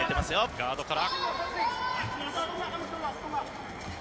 ガードから。